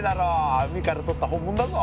海から取った本物だぞ。